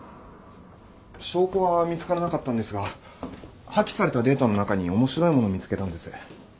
証拠は見つからなかったんですが破棄されたデータの中に面白いもの見つけたんです。